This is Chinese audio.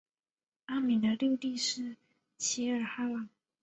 阿敏的六弟是济尔哈朗。